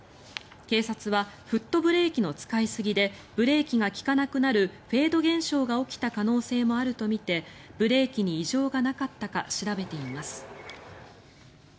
警察はフットブレーキの使い過ぎでブレーキが利かなくなるフェード現象が起きた可能性もあるとみてブレーキに異常がなかったか調べています。